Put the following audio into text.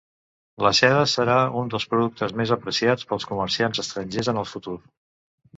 La seda serà un dels productes més apreciats pels comerciants estrangers en el futur.